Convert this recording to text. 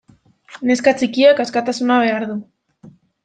Neska txikiak askatasuna behar du.